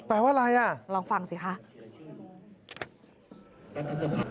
แปลว่าอะไรน่ะลองฟังสิค่ะคุณพิทาบอกแบบนี้คุณพิทาบอกแบบนี้